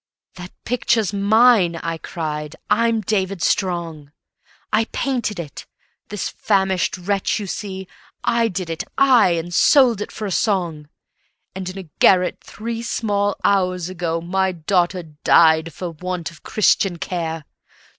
"That picture's mine," I cried; "I'm David Strong. I painted it, this famished wretch you see; I did it, I, and sold it for a song. And in a garret three small hours ago My daughter died for want of Christian care.